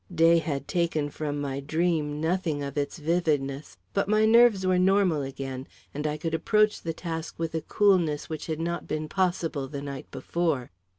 Day had taken from my dream nothing of its vividness, but my nerves were normal again, and I could approach the task with a coolness which had not been possible the night before.